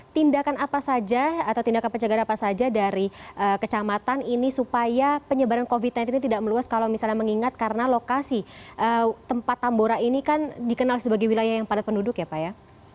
tindakan apa saja atau tindakan pencegahan apa saja dari kecamatan ini supaya penyebaran covid sembilan belas ini tidak meluas kalau misalnya mengingat karena lokasi tempat tambora ini kan dikenal sebagai wilayah yang padat penduduk ya pak ya